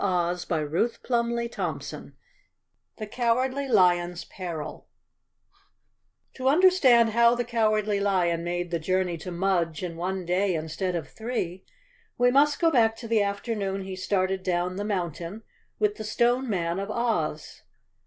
359 CHAPTER 20 The Cowardly Lions Peril T O understand how the Cowardly Lion made the journey to Mudge in one day instead of three, we must go back to the afternoon he started down the mountain with the Stone Man of Oz.